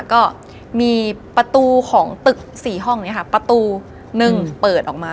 ก็มีประตูของตึก๔ห้องนี้ค่ะประตูหนึ่งเปิดออกมา